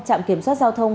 trạm kiểm soát giao thông